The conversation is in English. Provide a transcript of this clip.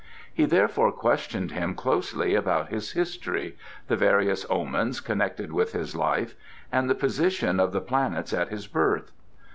He therefore questioned him closely about his history, the various omens connected with his life and the position of the planets at his birth.